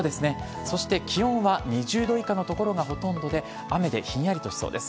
そして気温は２０度以下の所がほとんどで、雨でひんやりとしそうです。